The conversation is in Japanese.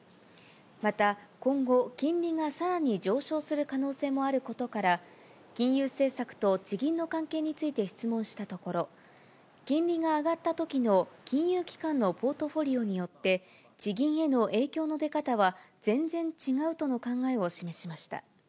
また、今後、金利がさらに上昇する可能性もあることから、金融政策と地銀の関係について質問したところ、金利が上がったときの金融機関のポートフォリオによって地銀への影響の出方は全然違うとの考えを示しました。